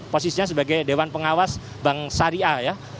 posisinya sebagai dewan pengawas bank syariah ya